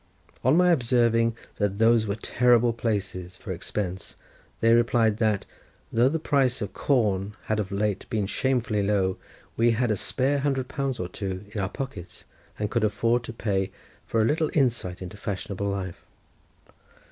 On my observing that those were terrible places for expense, they replied that, though the price of corn had of late been shamefully low, we had a spare hundred pounds or two in our pockets, and could afford to pay for a little insight into fashionable life.